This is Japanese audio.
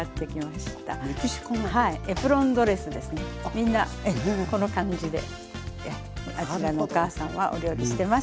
みんなこの感じであちらのお母さんはお料理してます。